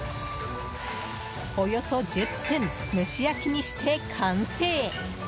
およそ１０分蒸し焼きにして完成。